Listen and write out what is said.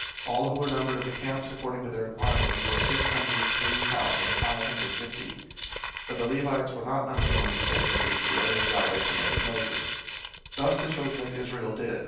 All who were numbered of the camps according to their armies were six hundred three thousand five hundred fifty. 002:033 But the Levites were not numbered among the children of Israel; as Yahweh commanded Moses. 002:034 Thus the children of Israel did.